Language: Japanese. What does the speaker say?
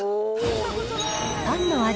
パンの味